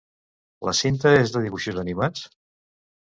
La cinta és de dibuixos animats?